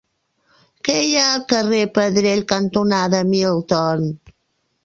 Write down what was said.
Què hi ha al carrer Pedrell cantonada Milton?